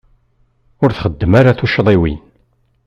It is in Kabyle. Ur txeddmem ara tuccḍiwin.